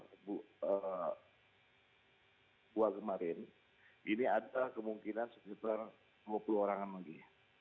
di buah kemarin ini ada kemungkinan sekitar dua puluh orang an lagi